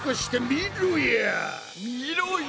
みろや！